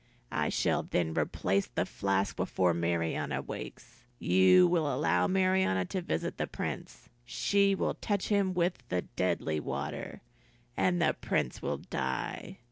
I shall then replace the flask before Marianna wakes. You will allow Marianna to visit the Prince; she will touch him with the deadly water, and the Prince will die.